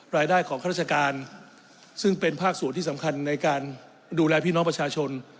รายได้ของข้าราชการซึ่งเป็นภาคส่วนที่สำคัญในการดูแลพี่น้องประชาชน